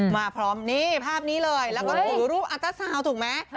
มาพร้อมนี่ภาพนี้เลยแล้วก็ถือรูปอัตราซาวน์ถูกไหม